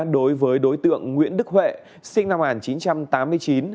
đối với đối tượng nguyễn đức huệ sinh năm một nghìn chín trăm tám mươi chín